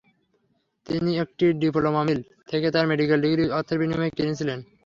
তিনি একটি "diploma mill" থেকে তার মেডিকেল ডিগ্রি অর্থের বিনিময়ে কিনেছিলেন।